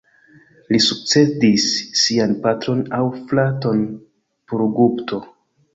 Li sukcedis sian patron aŭ fraton Purugupto.